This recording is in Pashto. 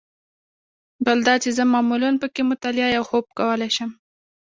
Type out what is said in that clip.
بل دا چې زه معمولاً په کې مطالعه یا خوب کولای شم.